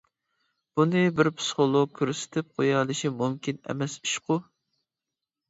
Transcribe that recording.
بۇنى بىر پىسخولوگ كۆرسىتىپ قويالىشى مۇمكىن ئەمەس ئىشقۇ.